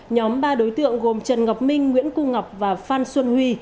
nhóm ba đối tượng gồm trần ngọc minh nguyễn cung ngọc và phan xuân huy